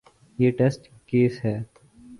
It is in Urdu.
یہ ٹیسٹ کیس ہے۔